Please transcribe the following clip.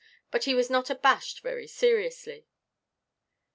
But he was not abashed very seriously.